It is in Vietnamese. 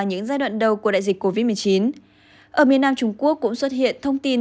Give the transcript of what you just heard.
những giai đoạn đầu của đại dịch covid một mươi chín ở miền nam trung quốc cũng xuất hiện thông tin